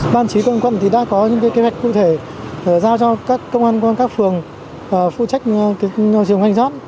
ban chí công an quận thì đã có những kế hoạch cụ thể giao cho các công an công an các phường phụ trách trường hành gió